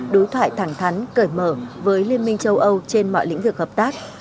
đối thoại thẳng thắn cởi mở với liên minh châu âu trên mọi lĩnh vực hợp tác